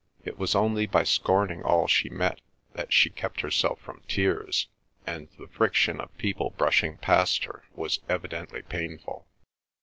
It was only by scorning all she met that she kept herself from tears, and the friction of people brushing past her was evidently painful.